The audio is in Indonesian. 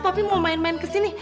papi mau main main ke sini